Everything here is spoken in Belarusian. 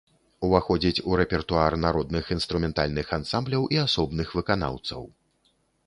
Уваходзіць у рэпертуар народных інструментальных ансамбляў і асобных выканаўцаў.